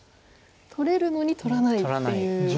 取れるのに取らないっていう。